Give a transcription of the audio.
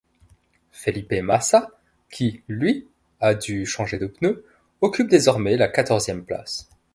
Felipe Massa qui, lui, a dû changer de pneus, occupe désormais la quatorzième place.